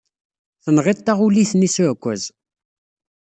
Tenɣiḍ taɣulit-nni s uɛekkaz.